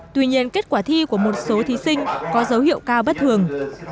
tuy nhiên kết quả thi của một số thí sinh có dấu hiệu cao bất thường